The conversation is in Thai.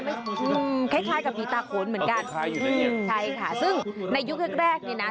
นะฮะคล้ายกับผีตาขนเหมือนกันใช่ค่ะซึ่งในยุคแรกนี่นะ